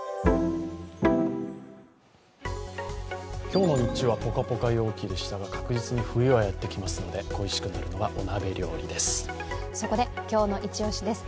今日の日中は、ぽかぽか陽気でしたが、確実に冬はやってきますので恋しくなるのはお鍋料理です。